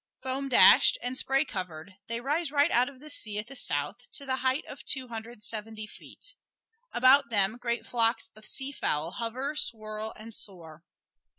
Foam dashed and spray covered they rise right out of the sea at the south, to the height of two hundred seventy feet. About them great flocks of sea fowl hover, swirl and soar.